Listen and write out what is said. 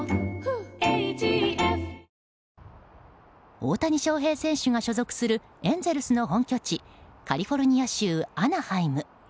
大谷翔平選手が所属するエンゼルスの本拠地カリフォルニア州アナハイム。